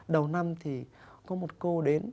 đầu năm thì có một cô đến